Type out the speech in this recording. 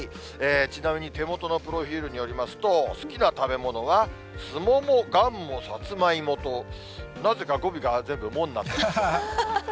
ちなみに手元のプロフィールによりますと、好きな食べ物はスモモ、がんも、さつまいもと、なぜか語尾が全部もになっています。